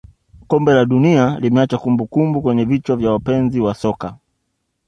kombe la dunia limeacha kumbukumbu kwenye vichwa vya wapenzi wa soka